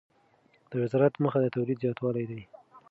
د وزارت موخه د تولید زیاتوالی دی.